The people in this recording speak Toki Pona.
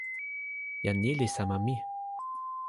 jan ni li sama mi.